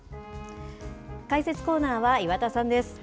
解説コーナーは岩田さんです。